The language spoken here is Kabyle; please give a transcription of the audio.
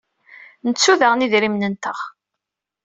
Nettu daɣen idrimen-nteɣ.